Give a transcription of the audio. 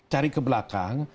cari ke belakang